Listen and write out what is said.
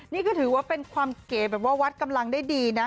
นี่ก็ถือว่าเป็นความเก๋แบบว่าวัดกำลังได้ดีนะ